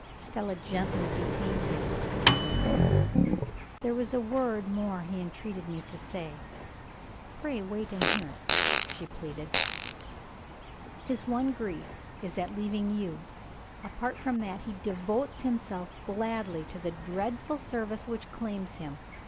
Stella gently detained him. "There was one word more he entreated me to say pray wait and hear it," she pleaded. "His one grief is at leaving You. Apart from that, he devotes himself gladly to the dreadful service which claims him.